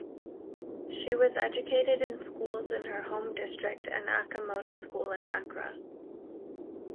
She was educated in schools in her home district and Achimota School in Accra.